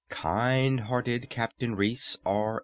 Kind hearted CAPTAIN REECE, R.